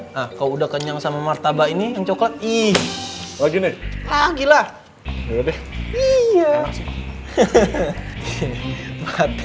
nah kau udah kenyang sama martabak ini yang coklat